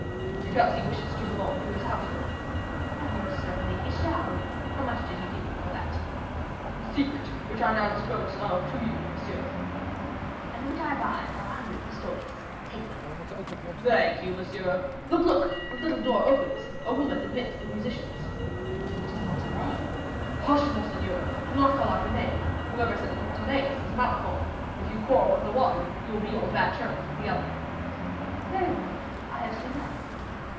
"Because he wishes to belong to his household." "And most certainly he shall. How much did he give you for that?" "The secret which I now dispose of to you, monsieur." "And which I buy for a hundred pistoles. Take them." "Thank you, monsieur. Look, look, the little door opens; a woman admits the musicians." "It is Montalais." "Hush, monseigneur; do not call out her name; whoever says Montalais says Malicorne. If you quarrel with the one, you will be on bad terms with the other." "Very well; I have seen nothing."